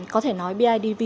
có thể nói bidv